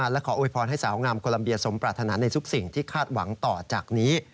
และขอโวยพรให้สาวงามโคลัมเบียสมปรารถนาในทุกสิ่งที่คาดหวังต่อจากนี้